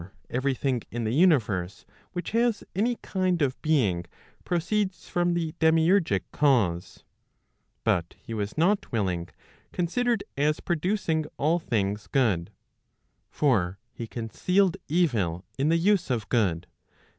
Digitized by t^OOQLe 516 ON THE SUBSISTENCE thing in the universe which has any kind of being proceeds from the demiurgic cause. But he was not willing, considered as producing all things good. For he concealed evil in the use of good.